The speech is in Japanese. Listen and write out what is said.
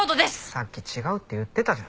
さっき違うって言ってたじゃん。